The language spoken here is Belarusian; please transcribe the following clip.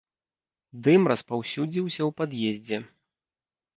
Дым распаўсюдзіўся ў пад'ездзе.